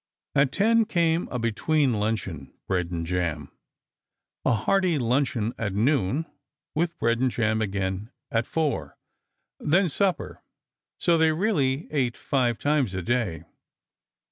At ten came a between luncheon, bread and jam; a hearty luncheon at noon, with bread and jam again at four; then supper, so they really ate five times a day.